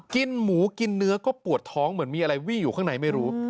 กินหมูกินเนื้อก็ปวดท้องเหมือนมีอะไรวี่อยู่ข้างในไม่รู้